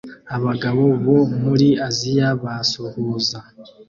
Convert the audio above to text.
Abagabo bo muri Aziya basuhuza